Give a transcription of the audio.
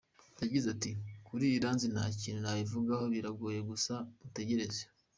Yagize ati “Kuri Iranzi nta kintu nabivugaho, biragoye gusa mutegereze.